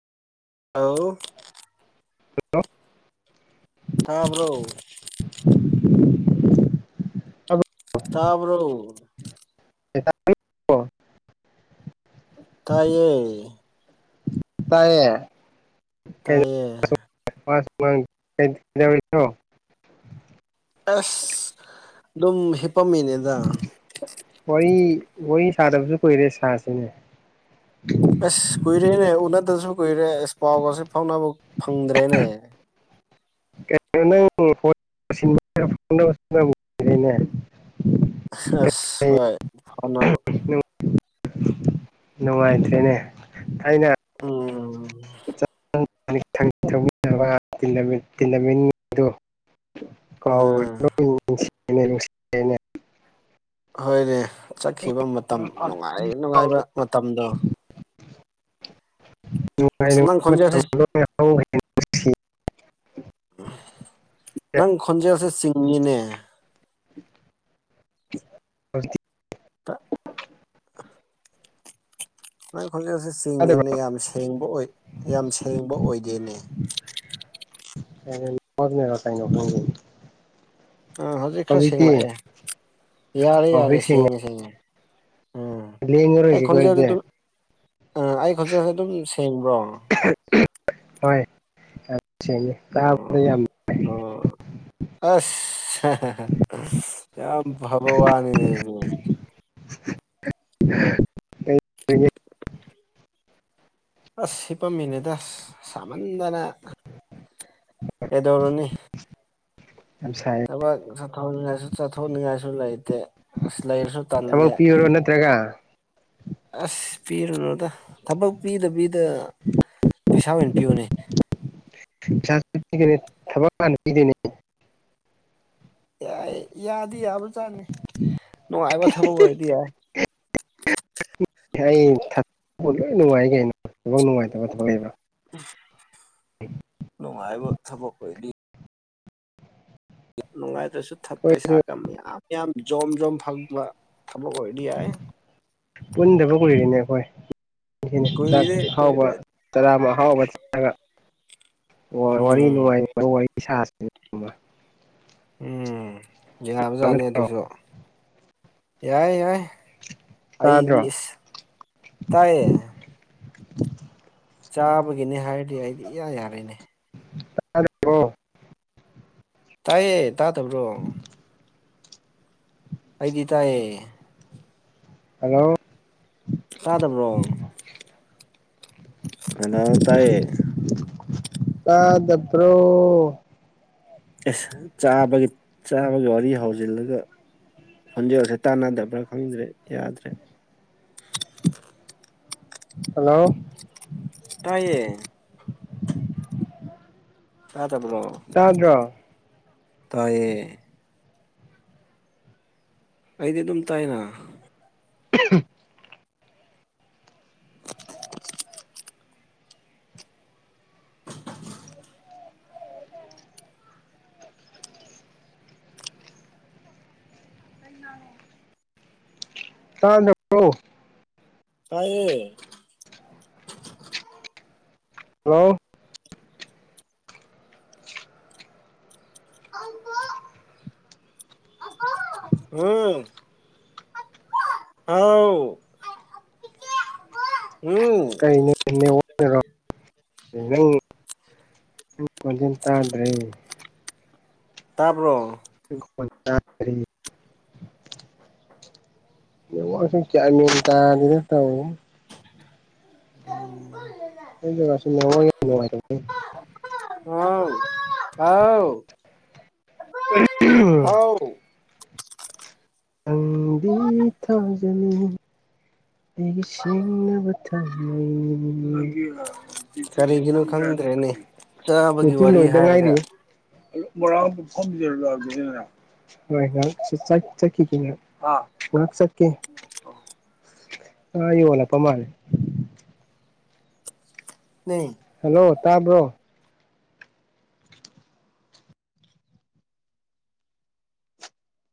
ꯑꯥꯎ ꯍꯦꯜꯂꯣ ꯇꯥꯕ꯭ꯔꯣ [unintelligible] ꯇꯥꯕꯔꯣ [unintelligible] ꯇꯥꯏꯌꯦ ꯇꯥꯏꯌꯦ ꯇꯥꯏꯌꯦ [unintelligible] ꯑꯁ ꯑꯗꯨꯝ ꯍꯤꯞꯄꯝꯃꯤꯅꯦ [unintelligible] ꯋꯥꯔꯤ ꯋꯥꯔꯤ ꯁꯥꯗꯕꯁꯨ ꯀꯨꯏꯔꯦ ꯁꯥꯁꯤꯅꯦ ꯑꯁ ꯀꯨꯏꯔꯦꯅꯦ ꯎꯅꯗꯕꯁꯨ ꯀꯨꯏꯔꯦ ꯑꯁ ꯄꯥꯎꯒꯁꯦ ꯐꯥꯎꯅꯕ ꯐꯪꯗ꯭ꯔꯦꯅꯦ ꯀꯩꯅꯣ ꯅꯪ [unintelligible] ꯑꯁ ꯍꯣꯏ ꯐꯥꯎꯅꯕ ꯅꯨꯡꯉꯥꯏꯇ꯭ꯔꯦꯅꯦ ꯑꯩꯅ ꯎꯝ ꯇꯦꯟ [unintelligible] [inaudible] ꯑꯗꯨꯣ ꯎꯝ ꯀꯥꯎꯁꯤ ꯅꯨꯡꯁꯤꯅꯦ ꯍꯣꯏꯅꯦ ꯆꯠꯈꯤꯕ ꯃꯇꯝ ꯅꯨꯡꯉꯥꯏ ꯅꯨꯡꯉꯥꯏꯕ ꯃꯇꯝꯗꯣ ꯅꯨꯡꯉꯥꯏꯅ ꯅꯪ ꯈꯣꯟꯖꯦꯜꯁꯦ ꯃꯇꯝ ꯂꯣꯏꯅ ꯍꯧꯈ꯭ꯔꯦ ꯁꯤꯈ꯭ꯔꯦ ꯅꯪ ꯈꯣꯟꯖꯦꯜꯁꯦ ꯆꯤꯡꯉꯤꯅꯦ ꯍꯧ [unintelligible] ꯇ [inaudible] ꯅꯥꯏ ꯈꯣꯟꯖꯦꯜꯁꯦ ꯌꯥꯗꯕ꯭ꯔꯥ ꯆꯤꯡꯉꯤꯅꯦ ꯌꯥꯝ ꯁꯦꯡꯕ ꯑꯣꯏ ꯌꯥꯝ ꯁꯦꯡꯕ ꯑꯣꯏꯗꯦꯅꯦ ꯅꯦ [unintelligible] ꯑꯥ ꯍꯧꯖꯤꯛ ꯈꯔ ꯁꯦꯡꯂꯛꯑꯦ ꯌꯥꯔꯦ ꯌꯥꯔꯦ ꯁꯦꯡꯉꯦ ꯁꯦꯡꯉꯦ ꯎꯝ ꯑꯩ ꯂꯦꯡꯉꯔꯣꯏꯒꯦꯀꯣ ꯈꯣꯟꯖꯦꯜꯗ ꯑꯗꯨꯗꯤ ꯑꯗꯨꯝ ꯎꯝ ꯑꯩ ꯈꯣꯟꯖꯦꯜ ꯑꯗꯨꯝ ꯁꯦꯡꯕ꯭ꯔꯣ ꯍꯣꯏ ꯁꯦꯡꯉꯦ ꯑꯣ ꯇꯥꯕꯗꯤ ꯌꯥꯝ ꯅꯨꯡꯉꯥꯏ ꯑꯣ ꯑꯁ ꯌꯥꯝ ꯐꯕ ꯋꯥꯅꯤꯅꯦ ꯑꯗꯨꯗꯤ [unintelligible] [inaudible] ꯑꯁ ꯍꯤꯄꯝꯃꯤꯅꯦꯗ ꯁꯥꯃꯟꯗꯅ ꯀꯩꯗꯧꯔꯨꯅꯤ ꯌꯥꯝ ꯁꯥꯏ ꯊꯕꯛ ꯆꯠꯊꯣꯛꯅꯤꯡꯉꯥꯏꯁꯨ ꯆꯠꯊꯣꯛꯅꯤꯡꯉꯥꯏꯁꯨ ꯂꯩꯇꯦ ꯑꯁ ꯂꯩꯔꯁꯨ ꯊꯕꯛ ꯇꯜꯂꯦ ꯄꯤꯌꯨꯔꯣ ꯅꯠꯇ꯭ꯔꯒ ꯑꯁ ꯄꯤꯔꯨꯅꯨꯗ ꯊꯕꯛ ꯄꯤꯗꯕꯤꯗ ꯄꯩꯁꯥ ꯑꯣꯏꯅ ꯄꯤꯌꯨꯅꯦ ꯄꯩꯁꯥꯁꯨ ꯄꯤꯒꯅꯤ ꯊꯕꯛ ꯍꯥꯟꯅ ꯄꯤꯗꯣꯏꯅꯦ ꯌꯥꯏ ꯌꯥꯗꯤ ꯌꯥꯕꯖꯥꯅꯤ ꯅꯨꯡꯉꯥꯏꯕ ꯊꯕꯛ ꯑꯣꯏꯔꯗꯤ ꯌꯥꯏ ꯑꯩ ꯊꯛꯄ ꯂꯣꯏ ꯅꯨꯡꯉꯥꯏꯅꯦ ꯀꯩꯅꯣ ꯊꯕꯛ ꯅꯨꯡꯉꯥꯏꯇꯕ ꯊꯕꯛ ꯅꯨꯡꯉꯥꯏꯕ ꯊꯕꯛ ꯑꯣꯏꯗꯤ ꯌꯥꯝ ꯅꯨꯡꯉꯥꯏꯇ꯭ꯔꯁꯨ ꯑꯩꯈꯣꯏꯁꯨ ꯄꯩꯁꯥꯒ ꯃꯌꯥꯝ ꯌꯥꯝ ꯖꯣꯝ ꯖꯣꯝ ꯐꯪꯕ ꯊꯕꯛ ꯑꯣꯏꯔꯗꯤ ꯌꯥꯏ ꯄꯨꯟꯗꯕ ꯀꯨꯏꯔꯤꯅꯦ ꯑꯩꯈꯣꯏ ꯆꯥꯛ ꯀꯨꯏꯔꯦ ꯊꯥꯎꯕ ꯀꯨꯏꯔꯦ ꯆꯔꯥ ꯑ ꯍꯥꯎꯕ ꯆꯔꯒ ꯋꯥꯔꯤ ꯎꯝ ꯅꯨꯡꯉꯥꯏ ꯋꯥꯔꯤ ꯁꯥꯁꯤ ꯎꯝ ꯎꯝ ꯌꯥꯕꯖꯥꯠꯅꯤ ꯑꯗꯨꯖꯨꯨ ꯌꯥꯏ ꯌꯥꯏ ꯑꯩꯒꯤ ꯇꯥꯗ꯭ꯔꯣ ꯏꯁ ꯇꯥꯏꯌꯦ ꯆꯥꯕꯒꯤꯅꯤ ꯍꯥꯏꯔꯗꯤ ꯑꯩꯗꯤ ꯏꯌꯥ ꯌꯥꯔꯦꯅꯦ ꯇꯔꯤꯕꯣ ꯇꯥꯏꯌꯦ ꯇꯥ ꯗꯕ꯭ꯔꯣ ꯑꯩꯗꯤ ꯇꯥꯏꯌꯦ ꯍꯜꯂꯣ ꯇꯥꯗꯕ꯭ꯔꯣ ꯑꯅ ꯇꯥꯏꯌꯦ ꯇꯥꯗꯕ꯭ꯔꯣ ꯑꯁ ꯆꯥꯕꯒꯤ ꯆꯥꯕꯒꯤ ꯋꯥꯔꯤ ꯍꯧꯖꯤꯜꯂꯒ ꯈꯣꯟꯖꯦꯜꯁꯦ ꯇꯥꯟꯅꯗꯕ꯭ꯔꯥ ꯈꯪꯗ꯭ꯔꯦ ꯌꯥꯗ꯭ꯔꯦ ꯍꯜꯂꯣ ꯇꯥꯏꯌꯦ ꯇꯥꯗꯕ꯭ꯔꯣ ꯇꯥꯗ꯭ꯔꯣ ꯇꯥꯌꯦ ꯑꯩꯗꯤ ꯑꯗꯨꯝ ꯇꯥꯏꯅ [inaudible] ꯇꯗ ꯇꯥꯏꯌꯦ ꯍꯜꯂꯣ [unintelligible] ꯎꯝ [inaudible] ꯍꯥꯎ ꯎꯝ ꯑꯩꯅꯦ ꯅꯪ ꯐꯖꯅ ꯇꯥꯗ꯭ꯔꯦ ꯇꯥꯕ꯭ꯔꯣ ꯍ ꯍꯣꯏ [inaudible] ꯒꯌꯥꯟ ꯃꯦꯟ ꯇꯥꯗꯦꯗ ꯇꯧꯔꯤꯁꯦ [inaudible] ꯁꯤꯉꯅꯨꯡꯉ [inaudible] ꯍꯥꯎ ꯍꯥꯎ ꯍꯥꯎ [inaudible] ꯅꯪꯗꯤ ꯊꯥꯖꯅꯤ ꯑꯩꯒꯤ ꯁꯦꯡꯂꯕ ꯊꯝꯃꯣꯢꯅꯤ ꯀꯔꯤꯒꯤꯅꯣ ꯈꯪꯗ꯭ꯔꯦꯅꯦ ꯆꯥꯕꯒꯤ ꯗꯤꯌꯨꯇꯤ ꯋꯥꯔꯤ ꯂꯣꯢꯗ ꯍꯥꯏꯔꯒ ꯉꯥꯢꯔꯤꯌꯦ ꯃꯣꯏꯣꯔꯥꯡ ꯐꯝꯖꯔ ꯑꯗꯨꯗꯅ [inaudible] ꯍꯣꯏ ꯉ ꯆꯠꯈꯤꯅꯦ ꯉ ꯆꯠꯀꯦ [inaudible] ꯑ ꯌꯣꯂꯄ ꯃꯥꯅꯦꯦ [inaudible] ꯅꯣ [inaudible] ꯍꯜꯂꯣ ꯇꯥꯕ꯭ꯔꯣ